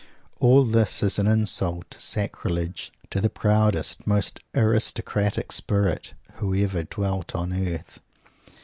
All this is an insult a sacrilege to the proudest, most aristocratic spirit who ever dwelt on earth!